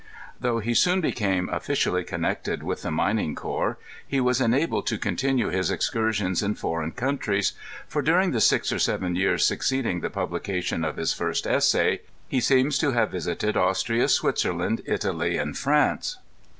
'* Though he soon became officially connected with the mining corps, he was enabled to continue his excursions in foreign countries, for, during the six or seven years succeeding the publication of his first essay, he seems to have visited Austria, Switzerland, Italy, and France.